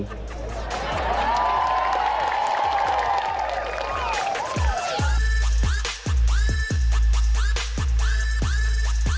รัฐบาลนี้ใช้วิธีปล่อยให้จนมา๔ปีปีที่๕ค่อยมาแจกเงิน